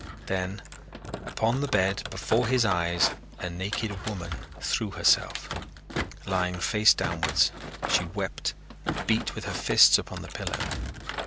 Then upon the bed before his eyes a naked woman threw herself. Lying face downward she wept and beat with her fists upon the pillow.